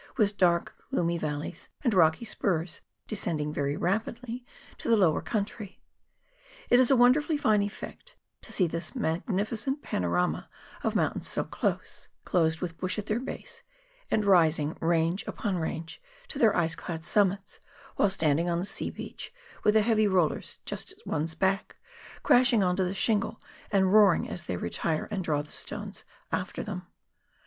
wdth dark, gloomy valleys, and rocky spurs descend ing very rapidly to the lower country. It is a wonderfully fine effect to see this magnificent panorama of mountains so close, clothed with bush at their base, and 84 PIONEER WORK IN THE AXPS OF NEW ZEALAND. rising range upon range to their ice clad summits, while standing on the sea beach, with the heavy rollers just at one's back, crashing on to the shingle, and roaring as they retire and draw the stones after them.